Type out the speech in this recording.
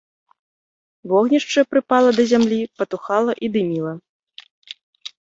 Вогнішча прыпала да зямлі, патухала і дыміла.